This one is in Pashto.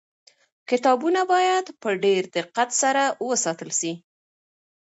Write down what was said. کتابونه باید په ډېر دقت سره وساتل سي.